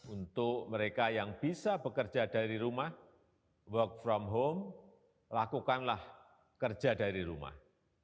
untuk mereka yang bisa bekerja dari rumah work from home lakukanlah kerja dari rumah